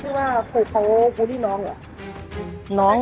ที่ว่าโพลโพลบูลลี่น้องอ่ะ